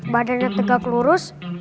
badannya tegak lurus